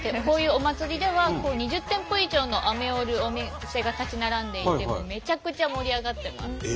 こういうお祭りでは２０店舗以上のアメを売るお店が立ち並んでいてめちゃくちゃ盛り上がってます。